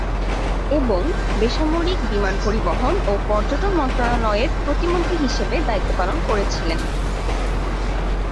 এবং বেসামরিক বিমান পরিবহন ও পর্যটন মন্ত্রণালয়ের প্রতিমন্ত্রী হিসেবে দায়িত্ব পালন করেছিলেন।